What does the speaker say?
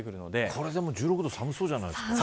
これでも１６度寒そうじゃないですか。